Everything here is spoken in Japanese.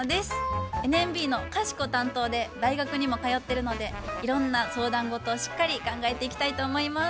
ＮＭＢのかしこ担当で大学にも通ってるのでいろんな相談事をしっかり考えていきたいと思います。